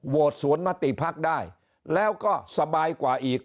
สวนมติภักดิ์ได้แล้วก็สบายกว่าอีก